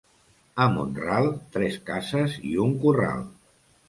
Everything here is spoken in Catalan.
A Mont-ral, tres cases i un corral.